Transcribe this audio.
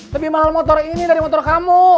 lebih mahal motor ini dari motor kamu